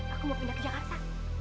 aku mau pindah ke jakarta